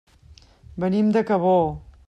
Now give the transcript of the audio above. Venim de Cabó.